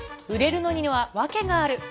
売れるのにはワケがある！